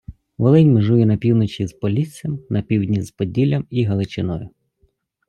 Волинь межує на півночі з Поліссям, на півдні з Поділлям і Галичиною.